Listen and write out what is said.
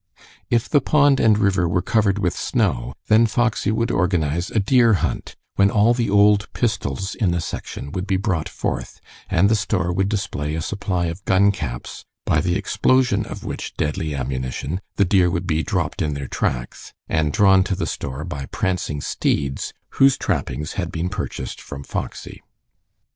If the pond and river were covered with snow, then Foxy would organize a deer hunt, when all the old pistols in the section would be brought forth, and the store would display a supply of gun caps, by the explosion of which deadly ammunition the deer would be dropped in their tracks, and drawn to the store by prancing steeds whose trappings had been purchased from Foxy.